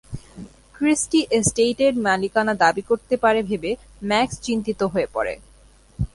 Christie এস্টেটের মালিকানা দাবি করতে পারে ভেবে ম্যাক্স চিন্তিত হয়ে পড়ে।